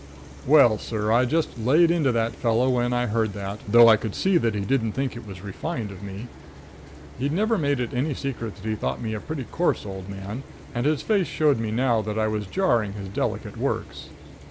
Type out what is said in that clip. Well, sir, I just laid into that fellow when I heard that, though I could see that he didn't think it was refined of me. He'd never made it any secret that he thought me a pretty coarse old man, and his face showed me now that I was jarring his delicate works.